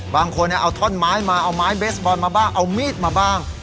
บางคนเอาท่อนไม้มาเอาไม้เบสบอลมาบ้างเอามีดมาบ้าง